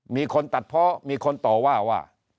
มีคนตัดเพาะมีคนต่อว่าว่า